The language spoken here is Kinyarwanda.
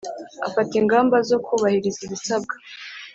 Afata ingamba zo kubahiriza ibisabwa